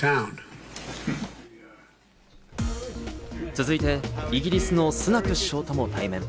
続いてイギリスのスナク首相とも対面。